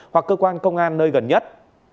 hoặc cơ quan công an nơi gần nhất